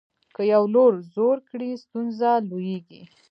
که یو لور زور کړي ستونزه لویېږي.